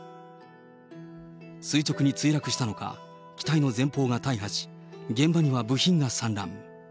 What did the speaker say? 垂直に墜落したのか、機体の前方が大破し、現場には部品が散乱。